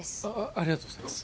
ありがとうございます